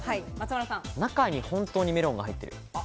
中に本当にメロンが入ってる。